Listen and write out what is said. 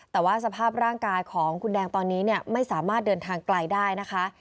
แต่ว่าสภาพร่างกายของคุณแดงตอนนี้ไม่สามารถเดินทางไกลได้นะคะ